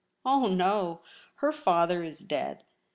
' Oh no ! Her father is dead.